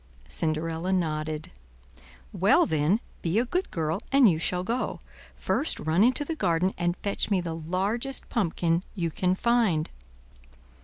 Cinderella nodded. "Well then, be a good girl, and you shall go. First run into the garden and fetch me the largest pumpkin you can find."